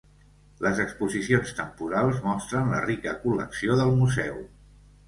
Les exposicions temporals mostren la rica col·lecció del Museu.